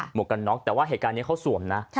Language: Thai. วกกันน็อกแต่ว่าเหตุการณ์นี้เขาสวมนะ